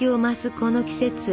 この季節